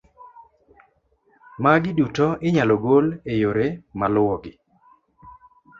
Magi duto inyalo gol e yore maluwogi: